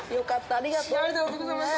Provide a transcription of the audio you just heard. ありがとう。